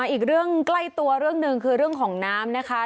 อีกเรื่องใกล้ตัวเรื่องหนึ่งคือเรื่องของน้ำนะคะ